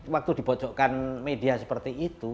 waktu dibocokkan media seperti itu